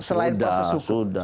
selain proses hukum